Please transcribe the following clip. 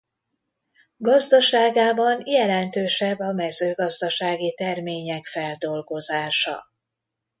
Gazdaságában jelentősebb a mezőgazdasági termények feldolgozása.